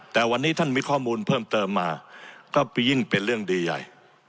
แต่วันนี้ท่านมีข้อมูลเพิ่มเติมมาก็ยิ่งเป็นเรื่องดีใหญ่